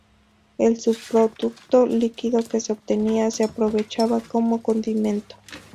El subproducto líquido que se obtenía se aprovechaba como condimento.